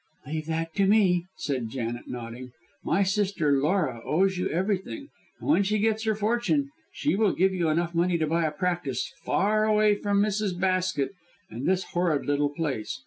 "Leave that to me," said Janet, nodding. "My sister Laura owes you everything, and when she gets her fortune she will give you enough money to buy a practice far away from Mrs. Basket and this horrid little place.